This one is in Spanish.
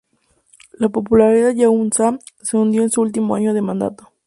La popularidad de Young-sam se hundió en su último año de mandato.